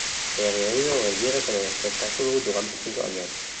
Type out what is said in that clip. Ella realizó una gira con el espectáculo durante cinco años.